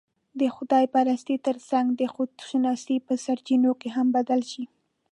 د خدا پرستۍ تر څنګ، د خودشناسۍ په سرچينو هم بدل شي